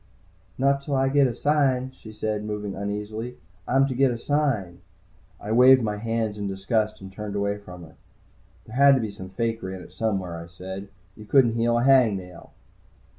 "Not till I get a sign," she said, moving uneasily. "I'm to get a sign." I waved my hands in disgust and turned away from her. "There had to be some fakery in it somewhere," I said. "You couldn't heal a hang nail!"